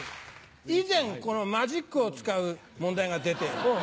以前このマジックを使う問題が出て。